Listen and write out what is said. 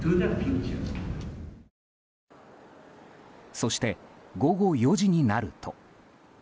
そして、午後４時になると。